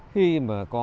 khi mà có